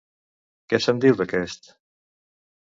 Què se'n diu, d'aquest?